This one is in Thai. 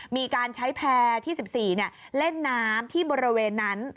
มีการใช้แพร่ที่๑๔เล่นน้ำที่บริเวณนั้น